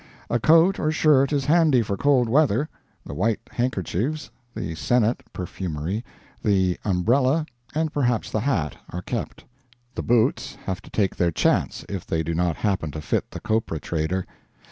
A coat or shirt is handy for cold weather. The white handkerchiefs, the 'senet' (perfumery), the umbrella, and perhaps the hat, are kept. The boots have to take their chance, if they do not happen to fit the copra trader.